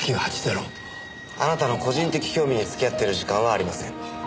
あなたの個人的興味に付き合っている時間はありません。